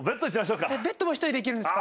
ベッドも一人でいけるんですか？